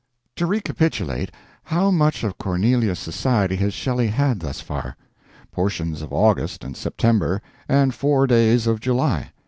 To recapitulate, how much of Cornelia's society has Shelley had, thus far? Portions of August and September, and four days of July.